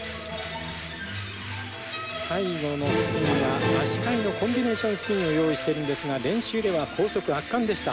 最後のスピンは足換えのコンビネーションスピンを用意しているんですが練習では高速圧巻でした。